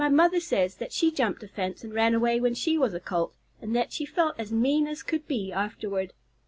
My mother says that she jumped a fence and ran away when she was a Colt, and that she felt as mean as could be afterward."